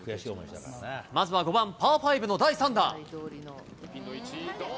まずは５番パー５の第３打。